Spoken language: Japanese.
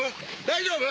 大丈夫？